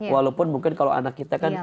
walaupun mungkin kalau anak kita kan